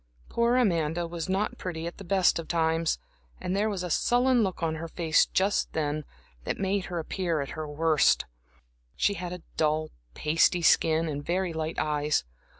Poor Amanda was not pretty at the best of times, and there was a sullen look on her face just then that made her appear at her worst. She had a dull, pasty skin and very light eyes.